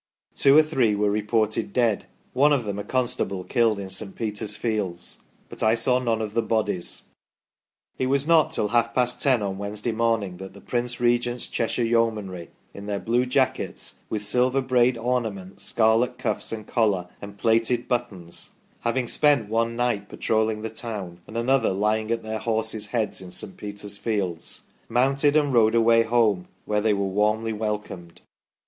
Two or three were reported dead, one of them a constable killed in St. Peter's fields, but I saw none of the bodies." It was not till half past ten on Wednesday morning that the Prince Regent's Cheshire Yeomanry, in their blue jackets, with silver braid ornament, scarlet cuffs and collar, and plated buttons having spent one night patrolling the town, and another " lying at their horses' heads in St. Peter's fields " mounted and rode away home, where they were warmly welcomed.